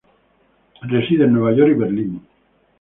Reside en Nueva York y Berlín.